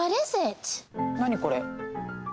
何これ？